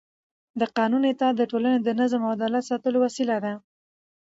د قانون اطاعت د ټولنې د نظم او عدالت ساتلو وسیله ده